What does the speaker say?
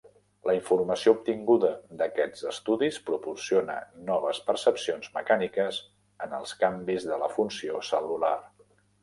La informació obtinguda d'aquests estudis proporciona noves percepcions mecàniques en els canvis de la funció cel·lular.